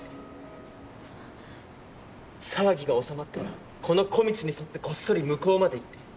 騒ぎが収まったらこの小道に沿ってこっそり向こうまで行って。